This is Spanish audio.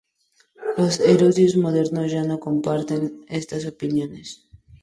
Los eruditos modernos ya no comparten estas opiniones.